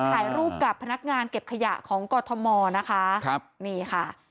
ถ่ายรูปกับพนักงานเก็บขยะของกรทมนะคะครับนี่ค่ะ